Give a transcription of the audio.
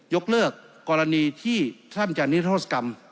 ยกเลิกกรณีที่ท่านจะนิรโทษกรรม